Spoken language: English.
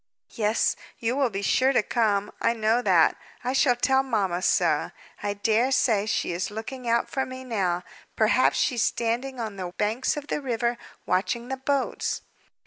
"Yes, you will be sure to come; I know that. I shall tell mamma so. I dare say she is looking out for me now. Perhaps she's standing on the banks of the river, watching the boats."